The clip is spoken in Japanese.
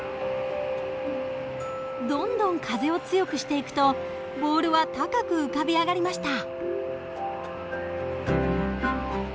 どんどん風を強くしていくとボールは高く浮かび上がりました。